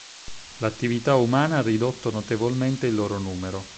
L'attività umana ha ridotto notevolmente il loro numero.